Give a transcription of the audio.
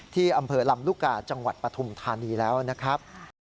ที่อำเภอลำลูกกาจังหวัดปฐุมธานีแล้วนะครับ